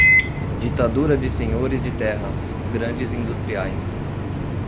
ditadura de senhores de terras, grandes industriais